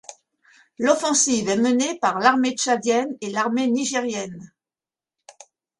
L'offensive est menée par l'armée tchadienne et l'armée nigérienne.